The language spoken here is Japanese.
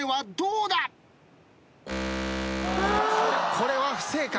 これは不正解。